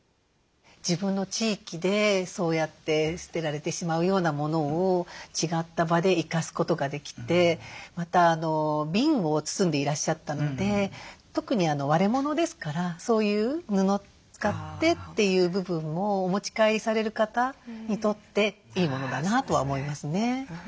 自分の地域でそうやって捨てられてしまうようなものを違った場で生かすことができてまた瓶を包んでいらっしゃったので特に割れ物ですからそういう布を使ってっていう部分もお持ち帰りされる方にとっていいものだなとは思いますね。